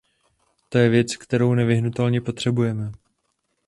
To je věc, kterou nevyhnutelně potřebujeme.